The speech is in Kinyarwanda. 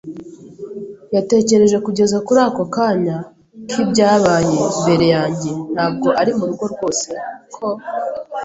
yatekereje kugeza kuri ako kanya k'ibyabaye mbere yanjye, ntabwo ari murugo rwose ko